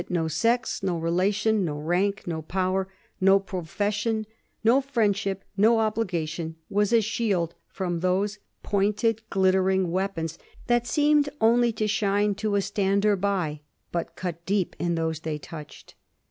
7 no sex, no relation, no rank, no power, no profession, no friendship, no obligation, was a shield from those pointed, glittering weapons that seemed only to shine to a stander by, but cat deep in those they touched.